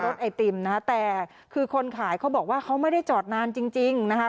ไอติมนะฮะแต่คือคนขายเขาบอกว่าเขาไม่ได้จอดนานจริงจริงนะคะ